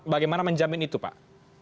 bagaimana menjamin itu pak